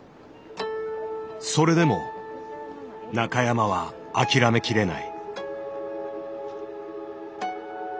それでも中山は諦めきれない。